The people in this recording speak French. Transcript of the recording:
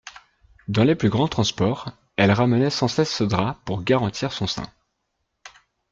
Dans les plus grands transports, elle ramenait sans cesse ce drap pour garantir son sein.